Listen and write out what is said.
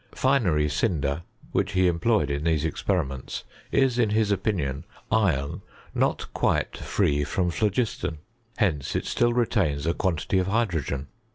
Finery cinder, which he employed in these experiments, is, in his opinion, iron not quite free from phlogiston. Hence it still retains a quantity of hydrogen.